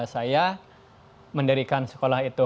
saya mendirikan sekolah itu